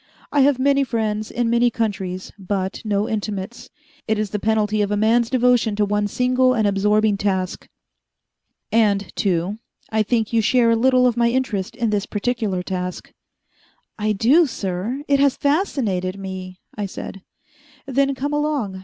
"I have many friends in many countries but no intimates. It is the penalty of a man's devotion to one single and absorbing task. And, too, I think you share a little of my interest in this particular task." "I do, sir! It has fascinated me," I said. "Then come along.